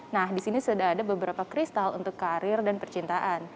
nah disini sudah ada beberapa kristal untuk karir dan percintaan